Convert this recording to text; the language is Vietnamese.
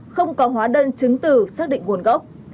không có hóa đơn chứng từ xác định nguồn gốc